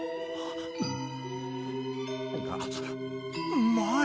うまい！